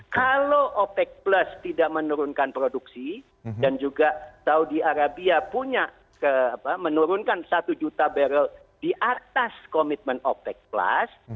kalau opec plus tidak menurunkan produksi dan juga saudi arabia punya menurunkan satu juta barrel di atas komitmen opec plus